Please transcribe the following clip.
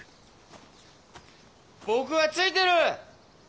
僕はついてる！